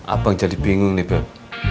abang jadi bingung nih dok